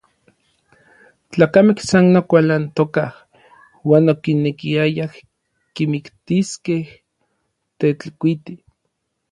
Tlakamej san okualantokaj uan okinekiayaj kimiktiskej Tetlikuiti.